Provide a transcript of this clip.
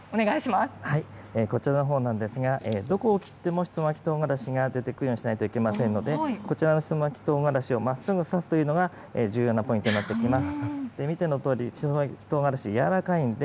こちらのほうなんですが、どこを切ってもしそまきトウガラシが出てくるようにしないといけませんので、こちらのしそ巻き唐辛子をまっすぐさすのが重要なポイントになってきます。